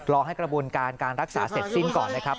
รอให้กระบวนการการรักษาเสร็จสิ้นก่อนนะครับ